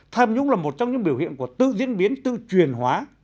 tham nhũng là một trong những biểu hiện của tự diễn biến tự truyền hóa